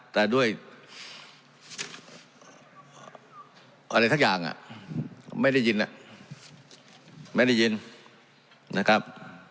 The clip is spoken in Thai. แต่ด้วยอะไรทั้งอย่างไม่ได้ยินนะครับ